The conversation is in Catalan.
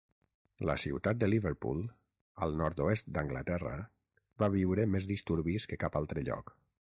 La ciutat de Liverpool, al nord-oest d'Anglaterra, va viure més disturbis que cap altre lloc.